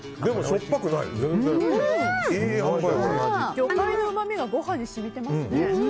魚介のうまみがご飯に染みてますね。